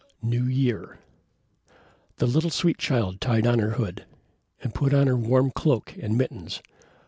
NEW YEAR The little sweet Child tied on her hood, and put on her warm cloak and mittens.